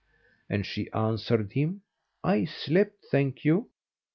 And she answered him: "I slept, thank you."